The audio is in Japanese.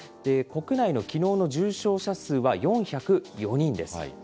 国内のきのうの重症者数は４０４人です。